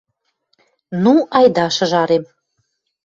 «Ну, айда, шыжарем